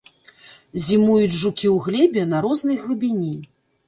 Зімуюць жукі ў глебе на рознай глыбіні.